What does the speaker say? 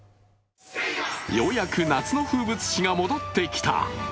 ようやく夏の風物詩が戻ってきた。